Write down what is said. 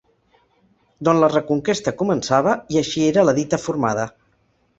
D'on la Reconquesta començava i així era la dita formada.